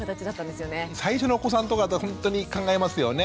最初のお子さんとかだったらほんとに考えますよね。